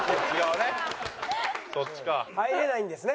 「入れないんですね？